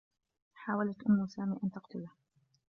حاولت أمّ سامي أن تقتله.